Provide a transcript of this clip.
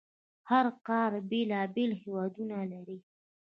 هره قاره بېلابېل هیوادونه لري.